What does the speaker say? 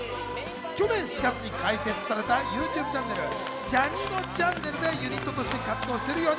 去年４月に開設されたＹｏｕＴｕｂｅチャンネル「ジャにのちゃんねる」でユニットとして活動している４人。